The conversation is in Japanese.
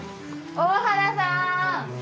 大原さん。